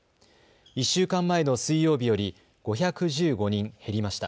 １週間前の水曜日より５１５人減りました。